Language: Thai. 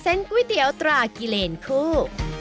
และเส้นกุ๊ยเตี๊ยวตร่ากิเลล์คู่